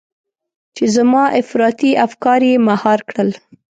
چې زما افراطي افکار يې مهار کړل.